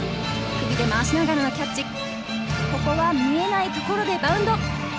首で回しながらのキャッチ、見えないところでバウンド。